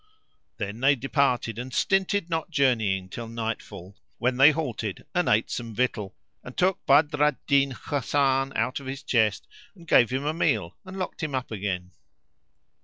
Then they departed and stinted not journeying till nightfall, when they halted and ate some victual, and took Badr al Din Hasan out of his chest and gave him a meal and locked him up again.